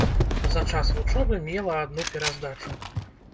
За час вучобы мела адну пераздачу.